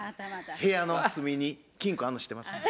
部屋の隅に金庫あんの知ってます。